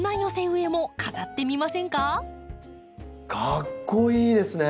かっこいいですね！